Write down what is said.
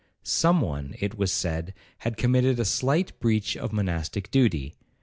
Some one, it was said, had committed a slight breach of monastic duty.